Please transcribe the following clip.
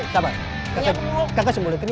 sabar kakak sembuhin ini